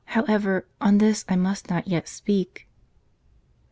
However, on this I must not yet speak."